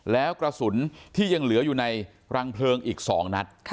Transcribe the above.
แล้วกระสุนที่ยังเหลืออยู่ในรังเพลิงอีก๒นัด